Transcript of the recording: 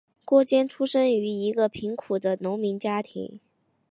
郭坚出生于一个贫苦的农民家庭。